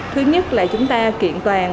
thứ nhất là chúng ta kiện toàn